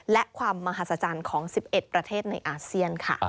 และความมหัศจรรย์ของ๑๑ประเทศในอาเซียนค่ะ